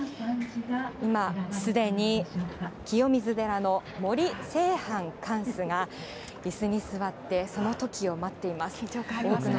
今、すでに清水寺の森清範貫主がいすに座って、そのときを待っていま緊張感ありますね。